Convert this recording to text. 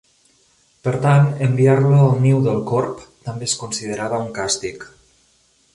Per tant, enviar-lo al niu del corb també es considerava un càstig.